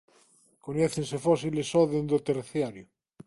Coñécense fósiles só dende o Terciario.